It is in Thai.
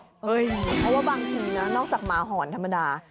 แทบว่าบางคนเนี่ยนอกจากมาห่อนธรรมดา